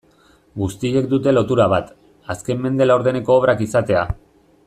Guztiek dute lotura bat, azken mende laurdeneko obrak izatea.